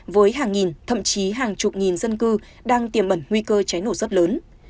với hàng nghìn thậm chí hàng chục nghìn dân cư đang tiềm ẩn nguy cơ cháy nổ rất lớn